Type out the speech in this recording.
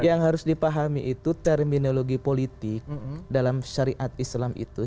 yang harus dipahami itu terminologi politik dalam syariat islam itu